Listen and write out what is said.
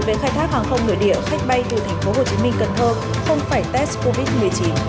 về khai thác hàng không nội địa khách bay từ tp hcm cần thơ không phải test covid một mươi chín